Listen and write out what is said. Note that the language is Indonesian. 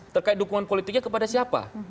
terkait dukungan politiknya kepada siapa